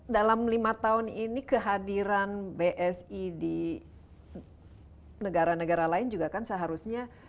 dalam lima tahun ini kehadiran bsi di negara negara lain juga kan seharusnya